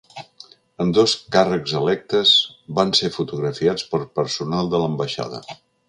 Ambdós càrrecs electes van ser fotografiats per personal de l’ambaixada.